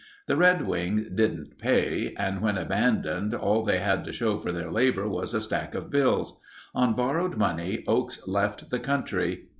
The Red Wing didn't pay and when abandoned, all they had to show for their labor was a stack of bills. On borrowed money, Oakes left the country.